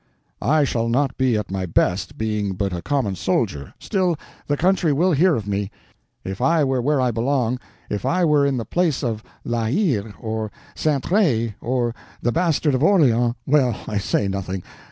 "I shall not be at my best, being but a common soldier; still, the country will hear of me. If I were where I belong; if I were in the place of La Hire, or Saintrailles, or the Bastard of Orleans—well, I say nothing.